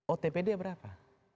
otp dia berapa